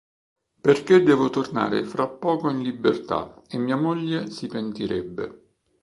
Perché devo tornare fra poco in libertà, e mia moglie si pentirebbe.